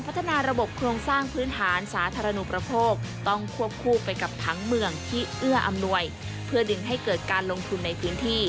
โซนรถไฟฟ้าสายสีม่วงถือว่าเป็นพื้นที่ที่มีศักยภาพในการพัฒนาสูง